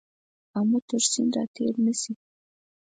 آمو تر سیند را تېر نه شې.